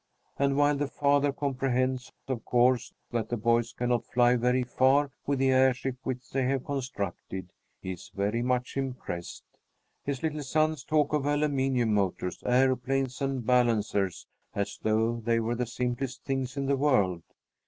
And while the father comprehends, of course, that the boys cannot fly very far with the airship which they have constructed, he is very much impressed. His little sons talk of aluminum motors, aeroplanes, and balancers, as though they were the simplest things in the world.